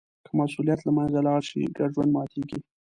که مسوولیت له منځه لاړ شي، ګډ ژوند ماتېږي.